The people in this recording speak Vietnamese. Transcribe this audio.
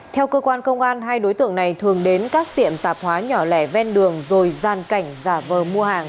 theo cơ quan công an hai đối tượng này thường đến các tiệm tạp hóa nhỏ lẻ ven đường rồi gian cảnh giả vờ mua hàng